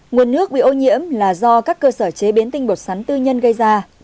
nguồn nước bị ô nhiễm là do các cơ sở chế biến tinh bột sắn tư nhân gây ra